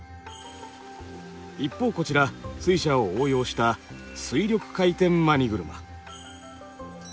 一方こちら水車を応用した水力回転マニ車。